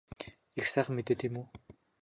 Их сайхан мэдээ тийм үү?